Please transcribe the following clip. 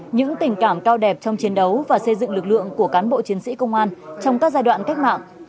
những tình cảm cao đẹp trong chiến đấu và xây dựng lực lượng của cán bộ chiến sĩ công an trong các giai đoạn cách mạng